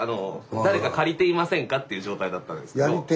誰か借りてみませんかっていう状態だったんですけど。